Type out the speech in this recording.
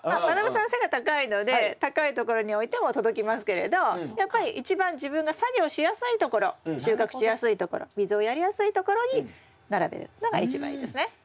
まなぶさん背が高いので高いところに置いても届きますけれどやっぱり一番自分が作業しやすいところ収穫しやすいところ水をやりやすいところに並べるのが一番いいですね。